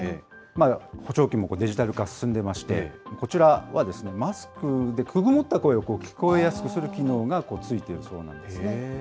補聴器もデジタル化進んでいまして、こちらはマスクでくぐもった声を聞こえやすくする機能がついているそうなんですね。